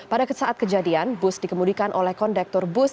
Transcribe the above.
pada saat kejadian bus dikemudikan oleh kondektor bus